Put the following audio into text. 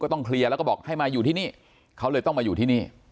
ต้องเคลียร์แล้วก็บอกให้มาอยู่ที่นี่เขาเลยต้องมาอยู่ที่นี่